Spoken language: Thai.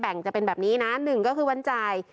แบ่งจะเป็นแบบนี้นะ๑ก็คือวันจ่าย